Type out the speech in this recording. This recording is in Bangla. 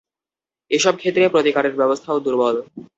এসব ক্ষেত্রে প্রতিকারের ব্যবস্থাও দুর্বল।